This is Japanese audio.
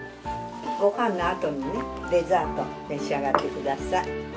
ごはんのあとにねデザートめし上がってください。